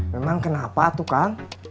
memang kenapa tukang